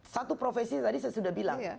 satu profesi tadi saya sudah bilang